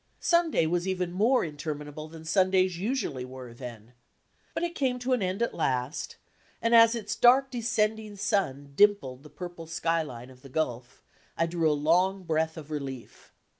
Sunday was even more intenninable than Sundays usu ally were, then. But it came to an end at last, and as its "dark, descending sun" dimpled the purple sky ltne of the Gulf, I drew a long breath of relief.